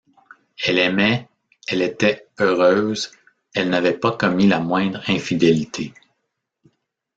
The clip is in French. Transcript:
Elle aimait, elle était heureuse, elle n’avait pas commis la moindre infidélité.